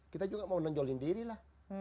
kita juga mau nonjolin diri lah